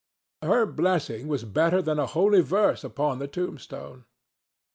Her blessing was better than a holy verse upon the tombstone.